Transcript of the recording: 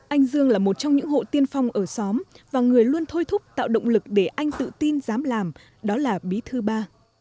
anh dương là một trong những hộ tiên phong ở xóm và người luôn thôi thúc tạo động lực để anh tự tin dám làm đó là bí thư ba